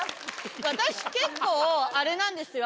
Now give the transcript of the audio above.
私結構あれなんですよ。